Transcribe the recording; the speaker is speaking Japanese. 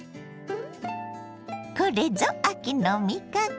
これぞ秋の味覚！